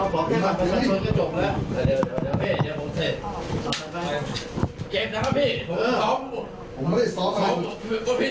ขอบบอกให้ค่ะคุณสมศักดิ์ก็จบแล้ว